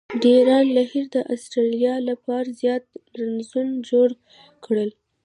ډیرن لیهر د اسټرالیا له پاره زیات رنزونه جوړ کړل.